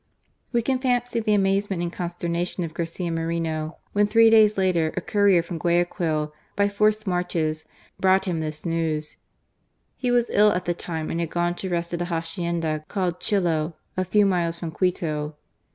We can fancy the amazement and consternation of Garcia Moreno, when, three days later, a courier from Guayaquil, by forced marches, brought him this news. He was ill at the time and had gone to rest at a hacienda called Chillo, a few miles from Quito.